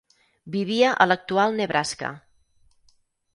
Vivia a l'actual Nebraska.